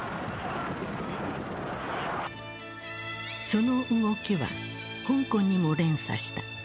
その動きは香港にも連鎖した。